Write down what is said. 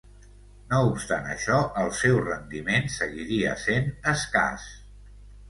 No obstant això, el seu rendiment seguiria sent escàs.